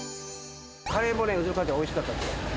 カレーもね、おいしかったです。